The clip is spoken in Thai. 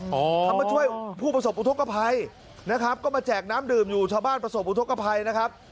เขามาช่วยผู้ประสบอุทธกภัยนะครับก็มาแจกน้ำดื่มอยู่ชาวบ้านประสบอุทธกภัยนะครับ